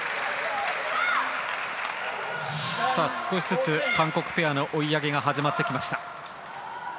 少しずつ韓国ペアの追い上げが始まってきました。